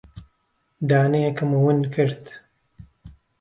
دانەیەکم ون کرد.